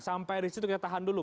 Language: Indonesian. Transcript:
sampai di situ kita tahan dulu